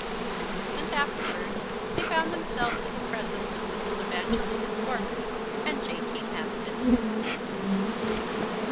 An instant afterwards they found themselves in the presence of Mrs. Evangelina Scorbitt and J. T. Maston.